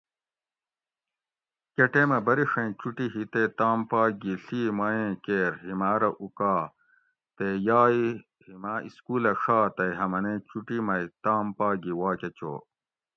کۤہ ٹیمہ بریڛیں چُٹی ہی تے تام پا گی ڷی مۤہ ایں کیر ہِیماۤ رہ اُکا تے یا ای ہِیماۤ اِسکولہ ڛا تئ ہمنیں چُٹی مئ تام پا گھی واکۤہ چو